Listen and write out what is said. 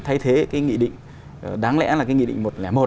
thay thế cái nghị định đáng lẽ là cái nghị định một trăm linh một